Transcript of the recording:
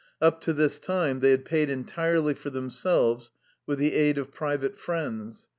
Up to this time they had paid entirely for themselves with the aid of private friends.